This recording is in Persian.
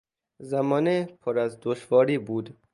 زمانه پر از دشواری بود.